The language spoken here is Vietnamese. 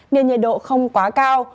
nhiệt độ không quá cao